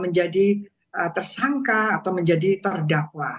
menjadi tersangka atau menjadi terdakwa